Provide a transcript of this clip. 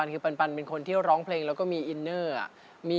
คือปันเป็นคนที่ร้องเพลงแล้วก็มีอินเนอร์